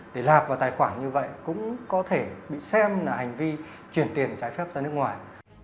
để lạc vào tài khoản như vậy cũng có thể bị xem là hành vi chuyển tiền trái phép ra nước ngoài